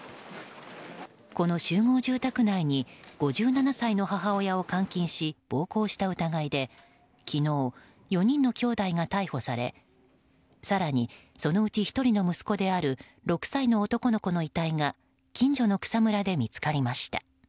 この集合住宅内に５７歳の母親を監禁し、暴行した疑いで昨日、４人のきょうだいが逮捕され更にそのうち１人の息子である６歳の男の子の遺体が近所の草むらで見つかりました。